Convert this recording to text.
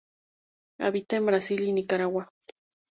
Habita en Brasil y Nicaragua.